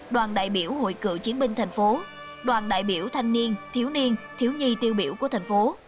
đoàn đại biểu hội cựu chiến binh tp đoàn đại biểu thanh niên thiếu niên thiếu nhi tiêu biểu tp